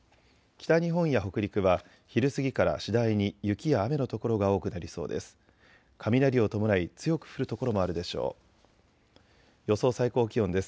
北日本や北陸は昼過ぎから次第に雪や雨の所が多くなりそうです。